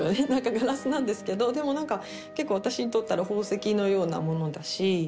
ガラスなんですけどでもなんか結構私にとったら宝石のようなものだし。